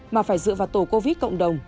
mà phải dựa vào tổ covid cộng đồng